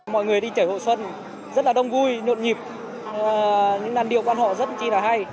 mọi người đi trải hội xuân rất là đông vui nộn nhịp những làn điều quan họ rất là hay